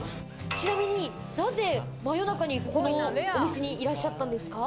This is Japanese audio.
ちなみになぜ真夜中にこのお店にいらっしゃったんですか？